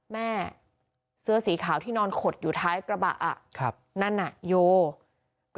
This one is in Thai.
แม่เสื้อสีขาวที่นอนขดอยู่ท้ายกระบะนั่นน่ะโย